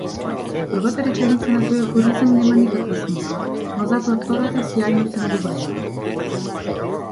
Првата реченица на тој афоризам нема никаква смисла, но затоа втората сјајно се надоврзува.